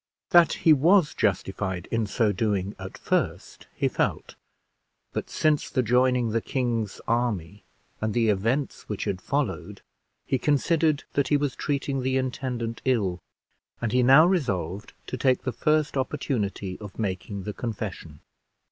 That he was justified in so doing at first, he felt; but since the joining the king's army, and the events which had followed, he considered that he was treating the intendant ill, and he now resolved to take the first opportunity of making the confession.